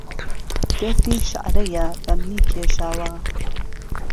دهردی شەعرهیه بە منی کێشاوه